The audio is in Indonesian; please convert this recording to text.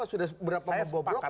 sudah seberapa membobrokan